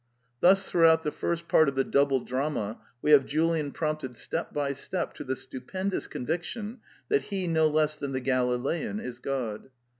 Thus throughout the first part of the double drama we have Julian prompted step by step to the stupendous conviction that he no less than the Galilean is God.